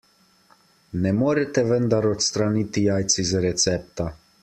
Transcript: Ne morete vendar odstraniti jajc iz recepta.